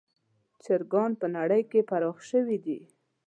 چرګان په نړۍ کې پراخ شوي دي.